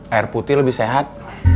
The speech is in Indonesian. air putih lebih sehat